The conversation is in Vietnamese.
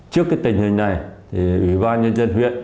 trước tình hình này ủy ban nhân dân huyện